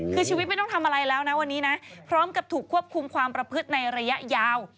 คือชีวิตไม่ต้องทำอะไรแล้วนะวันนี้นะพร้อมกับถูกควบคุมความประพฤติในระยะยาว